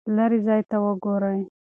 لیرې ځای ته وګورئ.